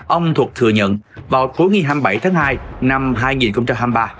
ông thuật thừa nhận vào cuối ngày hai mươi bảy tháng hai năm hai nghìn hai mươi ba